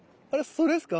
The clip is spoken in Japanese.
それっすか。